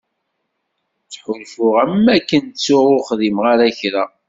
Ttḥulfuɣ am wakken ttuɣ ur xdimeɣ ara kra.